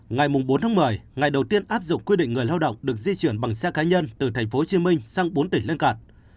ngày bốn tháng một mươi ngày đầu tiên áp dụng quy định người lao động được di chuyển bằng xe cá nhân từ tp hcm sang bốn tỉnh lên cận